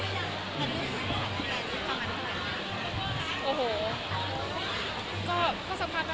มาดูความสนับใหม่ดูความอันไหว